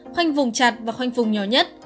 khoanh vùng chặt và khoanh vùng nhỏ nhất